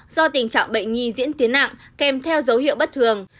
do tình trạng bệnh nhi diễn tiến nặng kèm theo dấu hiệu bất thường